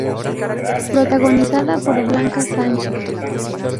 Protagonizada por Blanca Sánchez.